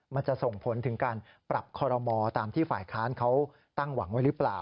มันจะส่งผลถึงการปรับคอรมอตามที่ฝ่ายค้านเขาตั้งหวังไว้หรือเปล่า